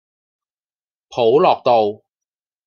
普樂道